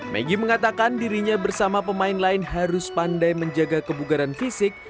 maggie mengatakan dirinya bersama pemain lain harus pandai menjaga kebugaran fisik